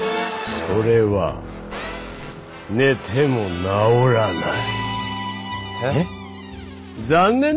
それは寝ても治らない。